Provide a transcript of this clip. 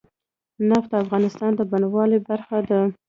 نفت د افغانستان د بڼوالۍ برخه ده.